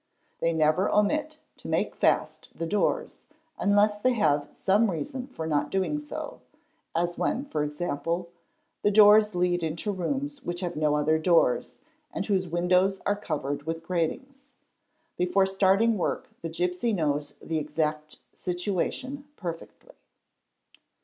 They never — omit to make fast the doors unless they have some reason for not doing so—as when, é.g., the doors lead into rooms which have no other doors and whose windows are covered with gratings. Before starting work the © gipsy knows the exact situation perfectly.